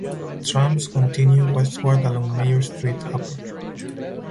Trams continue westward along Mayor Street Upper.